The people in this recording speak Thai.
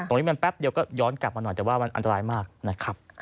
ตรงนี้มันแป๊บเดียวก็ย้อนกลับมาหน่อยแต่ว่ามันอันตรายมากนะครับ